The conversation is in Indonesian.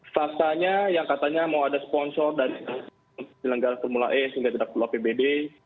faktanya yang katanya mau ada sponsor dari penyelenggara formula e sehingga tidak perlu apbd